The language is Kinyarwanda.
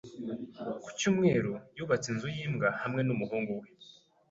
Ku cyumweru, yubatse inzu y’imbwa hamwe n’umuhungu we.